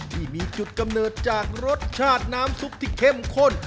ที่มีจุดกำเนิดจากรสชาติน้ำซุปที่เข้มข้น